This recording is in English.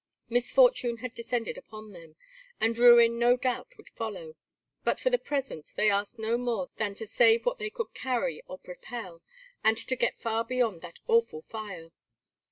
Misfortune had descended upon them, and ruin no doubt would follow, but for the present they asked no more than to save what they could carry or propel, and to get far beyond that awful fire.